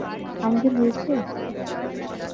আমাদের হয়েছে?